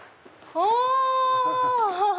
お！